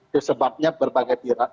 disebabnya berbagai pihak